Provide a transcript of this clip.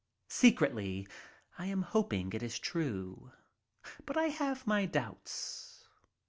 Secretly, I am hoping it is true. But I have my doubts.